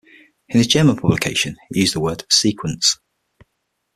In his German publication he used the word "Sequenz".